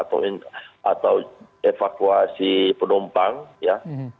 atau evakuasi penumpang ya